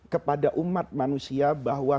kepada umat manusia bahwa